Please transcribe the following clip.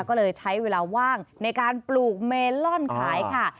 ก็เลยใช้เวลาว่างในการปลูกเมลอนขายค่ะ